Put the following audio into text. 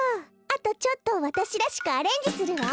あとちょっとわたしらしくアレンジするわ。